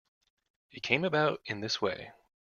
It came about in this way.